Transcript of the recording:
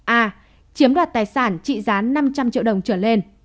a chiếm đoạt tài sản trị giá năm trăm linh triệu đồng trở lên